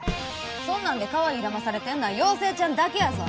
そんなんでかわいいだまされてんのは妖精ちゃんだけやぞ！